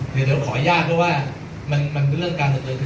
เดี๋ยวขอยากกับว่ามันมันเรื่องการดูด๑๓๐๐คุณนะครับ